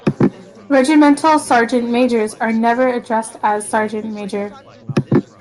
Regimental sergeant-majors are never addressed as "Sergeant-Major".